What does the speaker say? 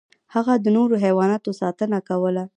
هغه د نورو حیواناتو ساتنه کوله.